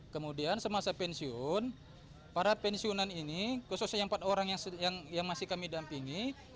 kemudian semasa pensiun para pensiunan ini khususnya yang empat orang yang masih kami dampingi